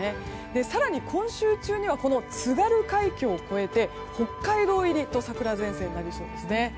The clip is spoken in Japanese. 更に今週中には津軽海峡を越えて桜前線は北海道入りとなりそうですね。